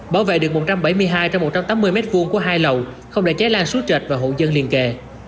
bảo vệ được một trăm bảy mươi hai một trăm tám mươi m hai của hai lầu không để cháy lan số trệt và hộ dân liên kề